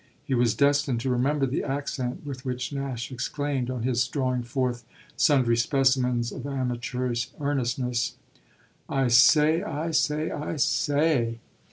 He was destined to remember the accent with which Nash exclaimed, on his drawing forth sundry specimens of amateurish earnestness: "I say I say I say!"